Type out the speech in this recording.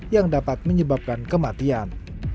yang dapat menyebabkan kematian